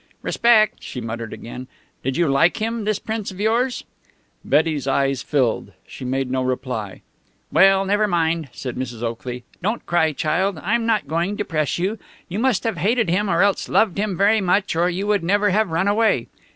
"Respect!" she muttered again. "Did you like him, this Prince of yours?" Betty's eyes filled. She made no reply. "Well, never mind," said Mrs. Oakley. "Don't cry, child! I'm not going to press you. You must have hated him or else loved him very much, or you would never have run away....